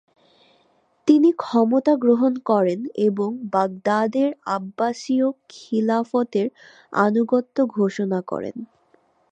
তিনি ক্ষমতা গ্রহণ করেন এবং বাগদাদের আব্বাসীয় খিলাফতের আনুগত্য ঘোষণা করেন।